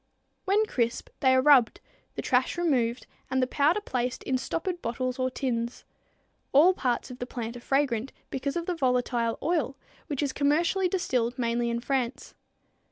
When crisp they are rubbed, the trash removed and the powder placed in stoppered bottles or tins. All parts of the plant are fragrant because of the volatile oil, which is commercially distilled mainly in France.